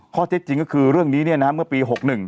ข้อเท็จจริงก็คือเรื่องนี้เมื่อปี๖๑